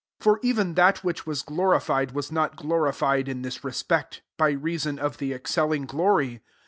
10 P'or iven that which was glorified ras not glorified in this re pect, by reason of the excelling jlory.